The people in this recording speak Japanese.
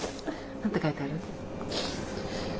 何て書いてある？